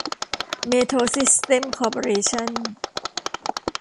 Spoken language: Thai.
เมโทรซิสเต็มส์คอร์ปอเรชั่น